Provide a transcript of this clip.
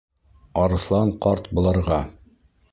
Арыҫлан ҡарт быларға: